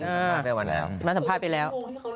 ได้มาแล้วมาสัมภาษณ์ไปแล้ว